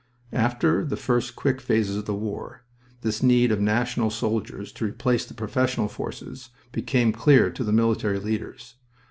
After the first quick phases of the war this need of national soldiers to replace the professional forces became clear to the military leaders.